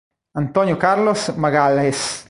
Antônio Carlos Magalhães